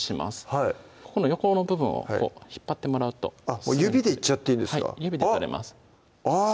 はいここの横の部分を引っ張ってもらうと指でいっちゃっていいんですかはい指で取れますあぁ